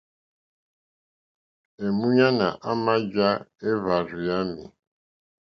Èmúɲánà àmà jǎ éhwàrzù yámì.